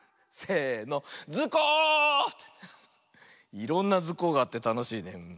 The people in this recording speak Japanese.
いろんな「ズコ！」があってたのしいね。